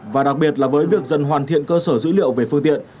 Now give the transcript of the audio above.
và đặc biệt là với việc dần hoàn thiện cơ sở dữ liệu về phương tiện